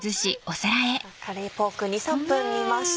カレーポーク２３分煮ました。